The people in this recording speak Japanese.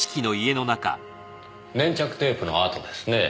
粘着テープのあとですね。